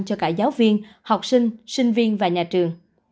cho cả giáo viên học sinh sinh viên và nhà trường